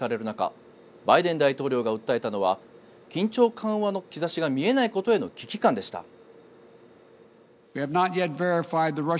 中バイデン大統領が訴えたのは緊張緩和の兆しが見えないことへの危機感でした。